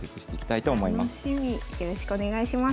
よろしくお願いします。